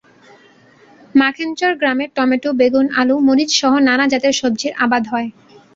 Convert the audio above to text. মাখনেরচর গ্রামে টমেটো, বেগুন, আলু, মরিচসহ নানা জাতের সবজির আবাদ হয়।